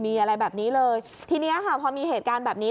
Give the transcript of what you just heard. มีอะไรแบบนี้เลยทีนี้ค่ะพอมีเหตุการณ์แบบนี้